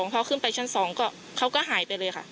พอขึ้นไปชั้น๒เขาก็หายไปเลยค่ะ